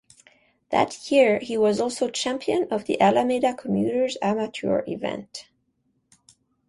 That year he was also champion of the Alameda Commuters amateur event.